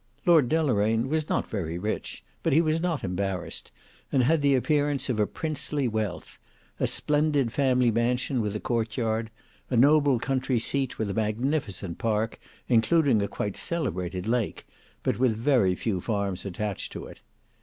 Lord Deloraine was not very rich; but he was not embarrassed, and had the appearance of princely wealth; a splendid family mansion with a courtyard; a noble country seat with a magnificent park, including a quite celebrated lake, but with very few farms attached to it.